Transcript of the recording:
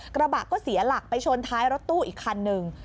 กระบะก็เสียหลักไปชนท้ายรถตู้อีกคันหนึ่ง